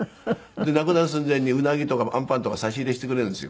で亡くなる寸前にウナギとかあんパンとか差し入れしてくれるんですよ